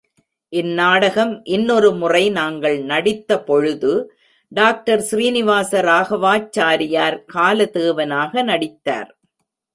இந்நாடகம் இன்னொரு முறை நாங்கள் நடித்த பொழுது, டாக்டர் ஸ்ரீநிவாச ராகவாச்சாரியார் காலதேவனாக நடித்தார்.